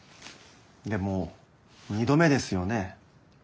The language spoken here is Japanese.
でも２度目ですよね？